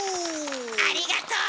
ありがとう！